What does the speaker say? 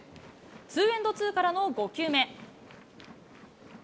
ツーエンドツーからの５球目。